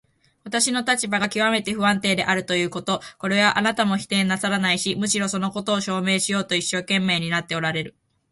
私の立場がきわめて不安定であるということ、これはあなたも否定なさらないし、むしろそのことを証明しようと一生懸命になっておられる。